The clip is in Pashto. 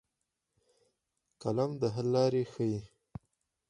فلم د حل لارې ښيي